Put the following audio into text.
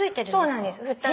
そうなんです。